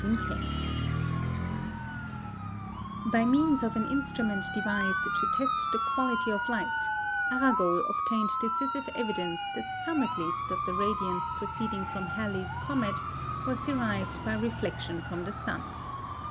By means of an instrument devised to test the quality of light, Arago obtained decisive evidence that some at least of the radiance proceeding from Halley's comet was derived by reflection from the sun.